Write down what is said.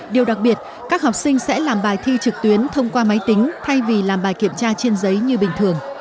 điều đặc biệt các học sinh sẽ làm bài thi trực tuyến thông qua máy tính thay vì làm bài kiểm tra trên giấy như bình thường